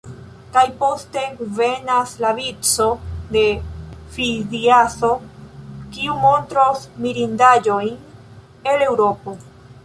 Kaj poste venas la vico de Fidiaso, kiu montros mirindaĵojn el Eŭropo.